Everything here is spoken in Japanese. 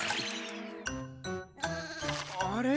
あれ？